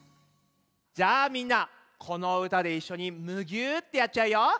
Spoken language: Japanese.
じゃあみんなこのうたでいっしょにムギューってやっちゃうよ。